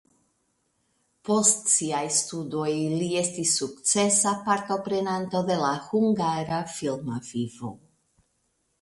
Post siaj studoj li estis sukcesa partoprenanto de la hungara filma vivo.